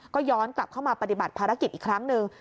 ก็ย้อนกลับเข้ามาปฏิบัติภารกิจอีกครั้งหนึ่ง